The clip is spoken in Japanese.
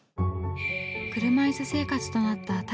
車いす生活となった田口さん。